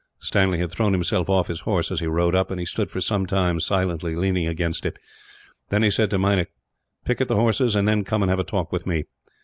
Stanley had thrown himself off his horse, as he rode up; and he stood for some time, silently leaning against it. Then he said to Meinik: "Picket the horses, and then come and have a talk with me."